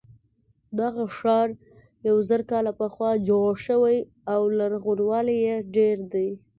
دغه ښار یو زر کاله پخوا جوړ شوی او لرغونوالی یې ډېر دی.